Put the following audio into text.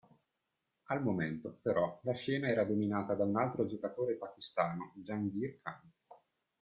Al momento, però, la scena era dominata da un altro giocatore pakistano Jahangir Khan.